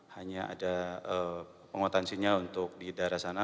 hanya ada penguatan sinyal untuk di daerah sana